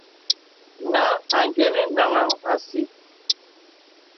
Nā āngənə́ naŋhàŋ así.